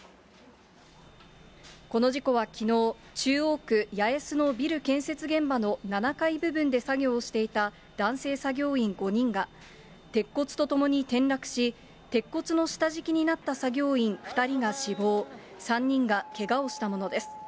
この事故はきのう、中央区八重洲のビル建設現場の７階部分で作業をしていた男性作業員５人が、鉄骨とともに転落し、鉄骨の下敷きになった作業員２人が死亡、３人がけがをしたものです。